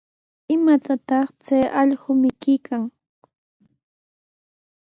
¿Imatataq chay allqu mikuykan?